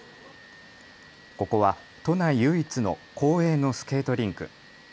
ここは都内唯一の公営のスケートリンク。